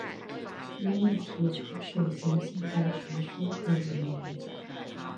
因为提出血型性格学说而闻名。